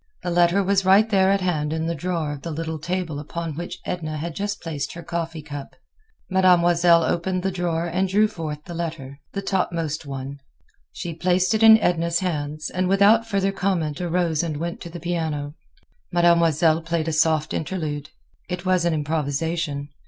The letter was right there at hand in the drawer of the little table upon which Edna had just placed her coffee cup. Mademoiselle opened the drawer and drew forth the letter, the topmost one. She placed it in Edna's hands, and without further comment arose and went to the piano. Mademoiselle played a soft interlude. It was an improvisation.